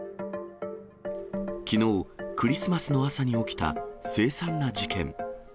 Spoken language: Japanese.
きのう、クリスマスの朝に起きた凄惨な事件。